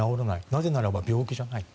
なぜならば病気じゃない。